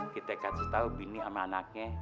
kita kasih tahu bini sama anaknya